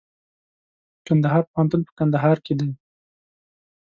کندهار پوهنتون په کندهار کي دئ.